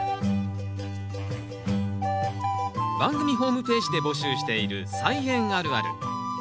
番組ホームページで募集している「菜園あるある」。